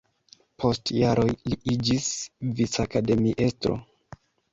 Post jaroj li iĝis vicakademiestro.